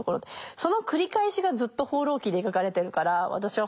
その繰り返しがずっと「放浪記」に描かれてるから私は「放浪記」